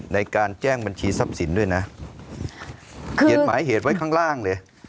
ในการแจ้งบัญชีทรัพย์สินด้วยนะเขียนหมายเหตุไว้ข้างล่างเลย